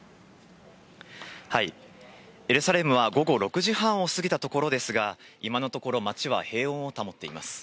エルサレムは午後６時半を過ぎたところですが、今のところ、町は平穏を保っています。